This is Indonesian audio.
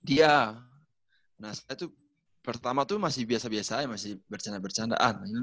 iya nah dia pertama tuh masih biasa biasa ya masih bercanda bercandaan